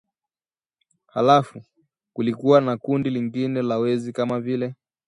Halafu kulikuwa na kundi lingine la wezi kama vile